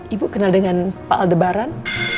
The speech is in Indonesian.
ibu kenal dengan pak aldebaran